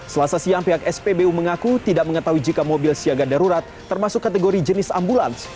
selasa siang pihak spbu mengaku tidak mengetahui jika mobil siaga darurat termasuk kategori jenis ambulans